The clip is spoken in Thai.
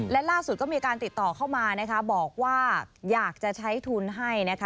และล่าสุดก็มีการติดต่อเข้ามานะคะบอกว่าอยากจะใช้ทุนให้นะคะ